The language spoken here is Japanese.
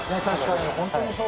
確かに。